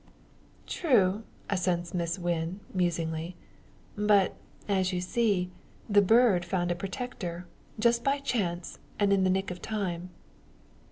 "True," assents Miss Wynn, musingly, "but, as you see, the bird found a protector just by chance, and in the nick of time."